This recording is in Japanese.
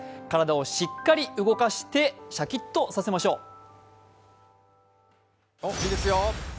体をしっかり動かしてシャキッとさせましょう。